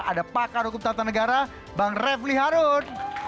ada pakar hukum tata negara bang refli harun